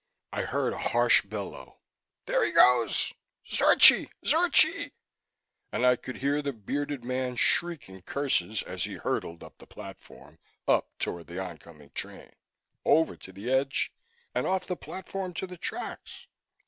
I heard a harsh bellow: "There he goes! Zorchi! Zorchi!" And I could hear the bearded man shrieking curses as he hurtled up the platform, up toward the oncoming train, over to the edge and off the platform to the tracks!